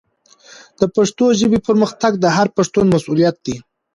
د پښتو ژبې پرمختګ د هر پښتون مسؤلیت دی.